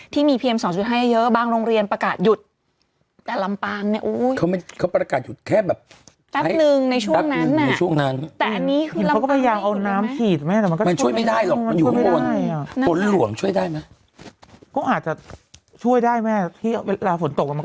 ก็อาจจะช่วยได้แม่ที่เวลาฝนตกมันก็จะเบาบางลง